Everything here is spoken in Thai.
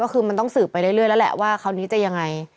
ก็คือมันต้องสืบไปเรื่อยแล้วแหละว่าคราวนี้จะยังไง